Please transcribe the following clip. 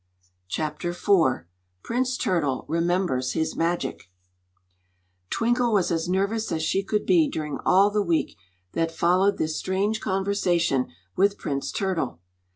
Chapter IV Prince Turtle Remembers His Magic TWINKLE was as nervous as she could be during all the week that followed this strange conversation with Prince Turtle.